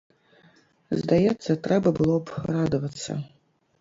Здаецца, трэба было б радавацца.